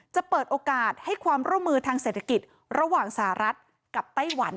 จะเปิดโอกาสให้ความร่วมมือทางเศรษฐกิจระหว่างสหรัฐกับไต้หวัน